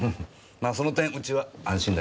まぁその点うちは安心だけどな。